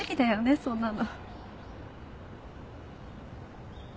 そんなの。